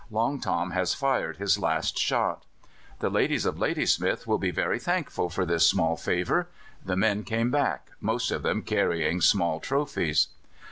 Long Tom has fired his last shot. The ladies of Ladysmith will be very thankful for this small favour. The men came back, most of them carrying small trophies.